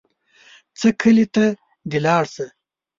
ځه کلي ته دې لاړ شه.